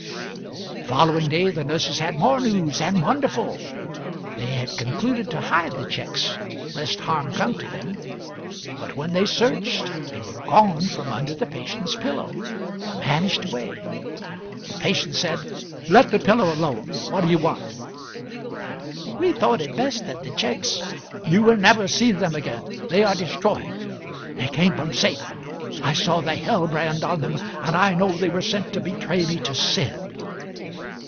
The following day the nurses had more news and wonderful. They had concluded to hide the cheques, lest harm come to them; but when they searched they were gone from under the patient's pillow vanished away. The patient said: "Let the pillow alone; what do you want?" "We thought it best that the cheques " "You will never see them again they are destroyed. They came from Satan. I saw the hell brand on them, and I knew they were sent to betray me to sin."